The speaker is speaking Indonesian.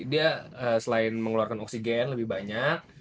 dia selain mengeluarkan oksigen lebih banyak